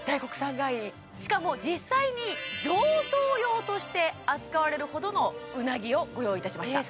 しかも実際に贈答用として扱われるほどのうなぎをご用意いたしましたえ